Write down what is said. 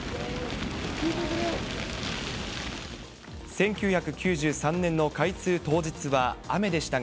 １９９３年の開通当日は雨でした